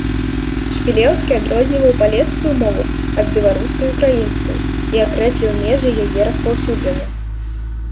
Шпілеўскі адрозніваў палескую мову ад беларускай і ўкраінскай і акрэсліў межы яе распаўсюджання.